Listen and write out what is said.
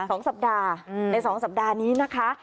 สองสัปดาห์อืมในสองสัปดาห์นี้นะคะ